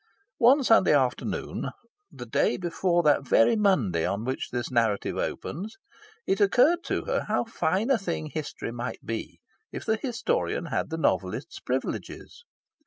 One Sunday afternoon the day before that very Monday on which this narrative opens it occurred to her how fine a thing history might be if the historian had the novelist's privileges.